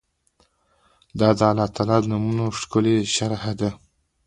دا د الله تعالی د نومونو ښکلي شرح ده